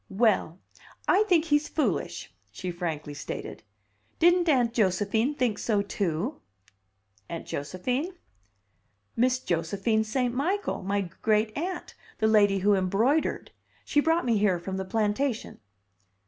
"Well, I think he's foolish!" she frankly stated. "Didn't Aunt Josephine think so, too?" "Aunt Josephine?" "Miss Josephine St. Michael my greet aunt the lady who embroidered. She brought me here from the plantation."